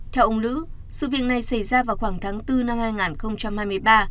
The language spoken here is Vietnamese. theo ông lữ sự việc này xảy ra vào khoảng tháng bốn năm hai nghìn hai mươi ba